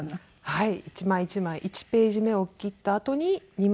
はい。